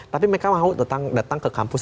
tapi mereka mau datang ke kampus